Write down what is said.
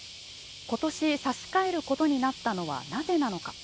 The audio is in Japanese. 今年、差し替えることになったのは、なぜなのか。